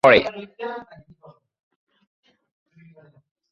রাষ্ট্রীয় গানের মধ্যে অনন্য, এর গানের কথা আলাস্কান পতাকার প্রতীক ব্যাখ্যা করে।